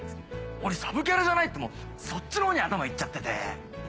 「俺サブキャラじゃない？」ってそっちの方に頭いっちゃってて。